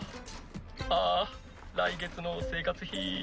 ああ来月の生活費。